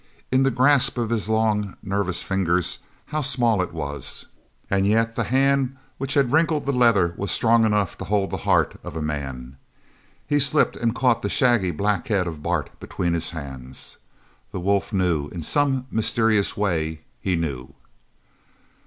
In the grasp of his long nervous fingers, how small it was!; and yet the hand which had wrinkled the leather was strong enough to hold the heart of a man. He slipped and caught the shaggy black head of Bart between his hands. The wolf knew in some mysterious way he knew!